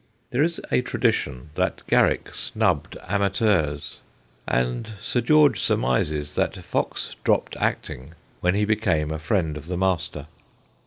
There is a tradition that Garrick snubbed amateurs, and Sir George surmises that Fox dropped acting when he became a friend of the master.